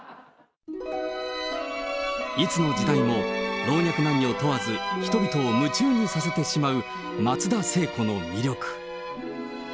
いつの時代も老若男女問わず、人々を夢中にさせてしまう松田聖子の魅力。